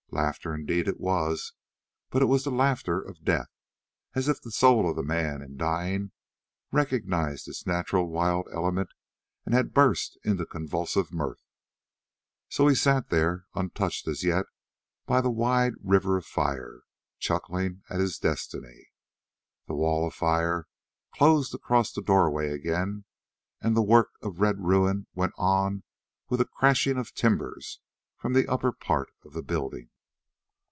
Laughter indeed it was, but it was the laughter of death, as if the soul of the man, in dying, recognized its natural wild element and had burst into convulsive mirth. So he sat there, untouched as yet by the wide river of fire, chuckling at his destiny. The wall of fire closed across the doorway again and the work of red ruin went on with a crashing of timbers from the upper part of the building.